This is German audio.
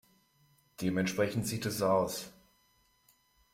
Dementsprechend sieht es aus.